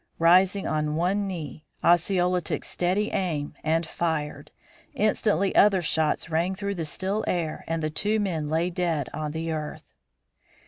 Rising on one knee, Osceola took steady aim and fired. Instantly other shots rang through the still air and the two men lay dead on the earth.